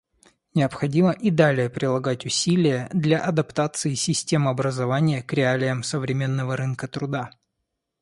Необходимо и далее прилагать усилия для адаптации систем образования к реалиям современного рынка труда.